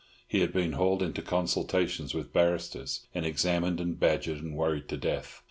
He had been hauled into consultations with barristers, and examined and badgered and worried to death.